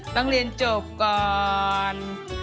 ต้องเรียนจบก่อน